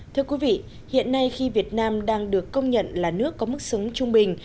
thưa quý vị hiện nay khi việt nam đang được công nhận là nước có mức sống trung bình